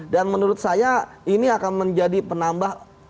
dan menurut saya ini akan menjadi penambah